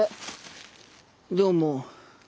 どうも。